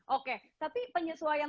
oke tapi penyesuaian